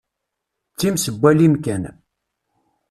D times n walim kan.